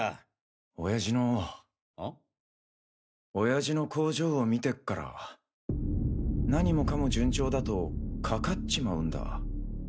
親父の工場を見てっから何もかも順調だとかかっちまうんだ。